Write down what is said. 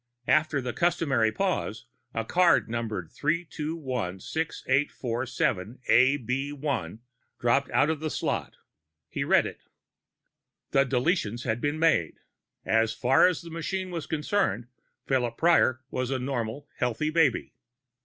After the customary pause, a card numbered 3216847AB1 dropped out of the slot. He read it. The deletions had been made. As far as the machine was concerned, Philip Prior was a normal, healthy baby.